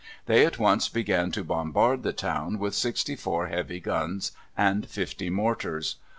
They at once began to bombard the town with sixty four heavy guns and fifty mortars.